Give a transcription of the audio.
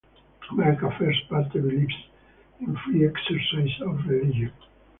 America First Party believes in the free exercise of religion.